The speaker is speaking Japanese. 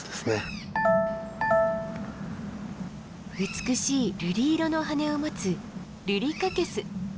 美しい瑠璃色の羽を持つルリカケス。